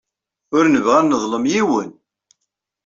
Ur nebɣi ad neḍlem yiwen.